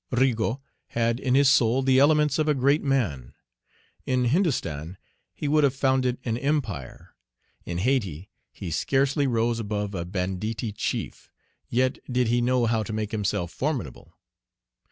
Rigaud had in his soul the elements of a great man. In Hindostan he would have founded an empire. In Hayti he scarcely rose above a banditti chief; yet did he know how to make himself formidable.